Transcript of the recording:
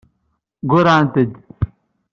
Ggurrɛent-d.